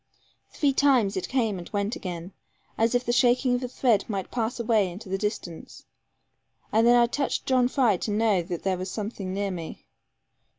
Three times it came and went again, as the shaking of a thread might pass away into the distance; and then I touched John Fry to know that there was something near me.